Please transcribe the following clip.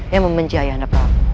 yang membenci ayah anda